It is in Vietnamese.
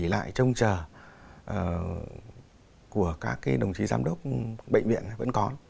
lại trông chờ của các đồng chí giám đốc bệnh viện vẫn có